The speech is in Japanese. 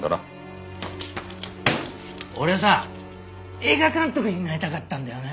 俺はさ映画監督になりたかったんだよね。